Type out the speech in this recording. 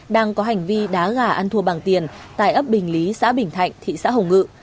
đang có hành vi đá gà ăn thua bằng tiền tại ấp bình lý xã bình thạnh thị xã hồng ngự